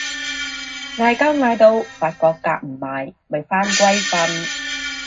嗌交嗌到發覺夾唔埋咪返歸瞓